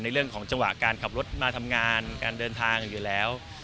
เรื่องของจังหวะการขับรถมาทำงานการเดินทางอยู่แล้ว